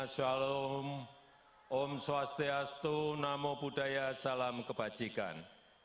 shalom om swastiastu namo buddhaya salam kebajikan